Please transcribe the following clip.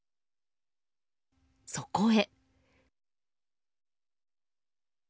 そこへ。